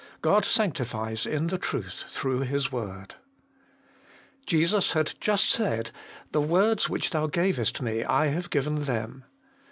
God sanctifies in the Truth through His word. Jesus had just said, 'The words which Thou gavest me, I have given them.'